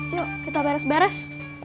yuk kita beres beres